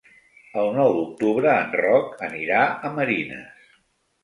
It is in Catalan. El nou d'octubre en Roc anirà a Marines.